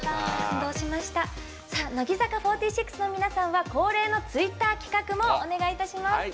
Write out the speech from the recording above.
乃木坂４６の皆さんは恒例のツイッター企画もお願いいたします。